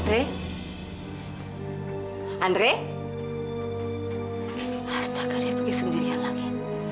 andre andre astaga dia pergi sendirian lagi